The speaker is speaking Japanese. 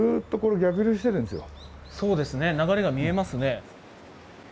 そうですね、流れが見えますね。